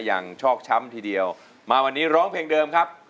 ชอกช้ำทีเดียวมาวันนี้ร้องเพลงเดิมครับ